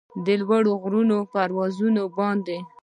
د لوړو غرونو پراوږو باندې